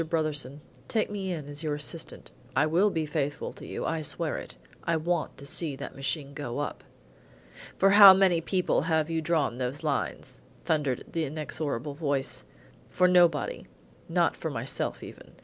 Brotherson, take me in as your assistant. I will be faithful to you, I swear it. I want to see that machine go up." "For how many people have you drawn those lines?" thundered the inexorable voice. "For nobody; not for myself even.